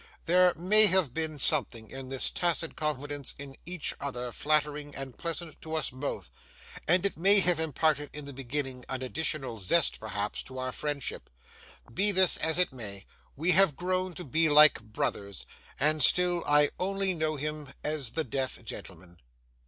There may have been something in this tacit confidence in each other flattering and pleasant to us both, and it may have imparted in the beginning an additional zest, perhaps, to our friendship. Be this as it may, we have grown to be like brothers, and still I only know him as the deaf gentleman.